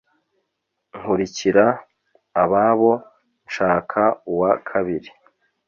nkurikira ababo nshaka uwa kabiri.